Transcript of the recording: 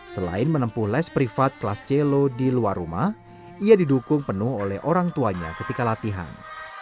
selain menempuh les privat kelas celo di luar rumah ia didukung penuh oleh orang tuanya ketika latihan